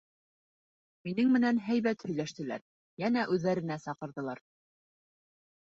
— Минең менән һәйбәт һөйләштеләр, йәнә үҙҙәренә саҡырҙылар.